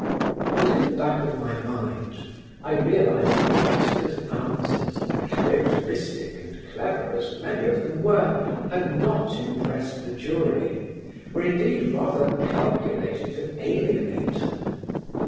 But in the back of my mind I realised that Oscar's answers, characteristic and clever as many of them were, had not impressed the jury, were indeed rather calculated to alienate them.